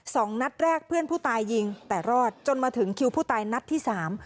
สองนัดแรกเพื่อนผู้ตายยิงแต่รอดจนมาถึงคิวผู้ตายนัดที่สาม